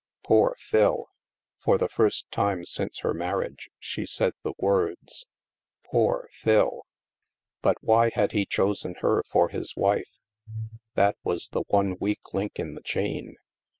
Poor Phil ! For the first time since her marriage, she said the words. Poor Phil! But why had he chosen her for his wife? That was the one weak link in the chain.